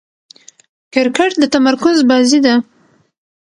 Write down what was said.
کرکټ د تمرکز بازي ده.